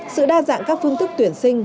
sự đa dạng các phương thức tuyển sinh